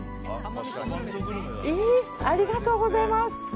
ありがとうございます。